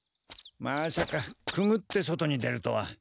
まさかくぐって外に出るとは。